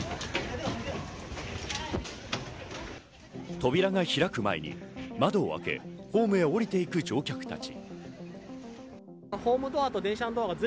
扉が開く前に窓を開け、ホームへ降りていく乗客たち。